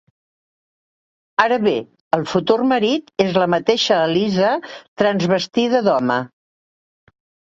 Ara bé, el futur marit és la mateixa Elisa transvestida d’home.